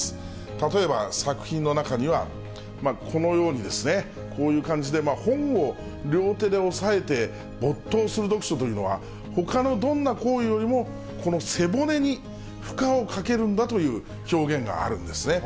例えば、作品の中には、このようにですね、こういう感じで、本を両手で押さえて没頭する読書というのは、ほかのどんな行為よりも、この背骨に負荷をかけるんだという表現があるんですね。